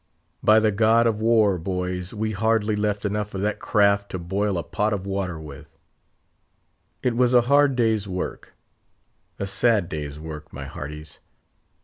By the god of war! boys, we hardly left enough of that craft to boil a pot of water with. It was a hard day's work—a sad day's work, my hearties.